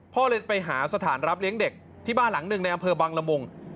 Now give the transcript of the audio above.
เลยไปหาสถานรับเลี้ยงเด็กที่บ้านหลังหนึ่งในอำเภอบังละมุง